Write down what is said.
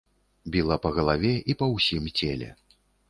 Біла па галаве і па ўсім целе.